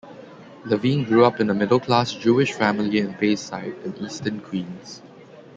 Levine grew up in a middle-class Jewish family in Bayside in eastern Queens.